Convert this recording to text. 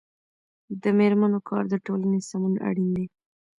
د میرمنو کار د ټولنې سمون اړین دی.